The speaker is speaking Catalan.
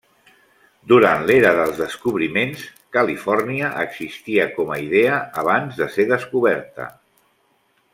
Durant l'era dels descobriments, Califòrnia existia com a idea abans de ser descoberta.